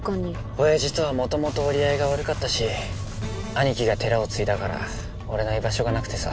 おやじとはもともと折り合いが悪かったし兄貴が寺を継いだから俺の居場所がなくてさ。